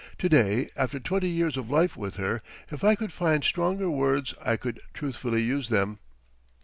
To day, after twenty years of life with her, if I could find stronger words I could truthfully use them.